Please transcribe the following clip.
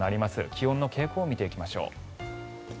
気温の傾向を見ていきましょう。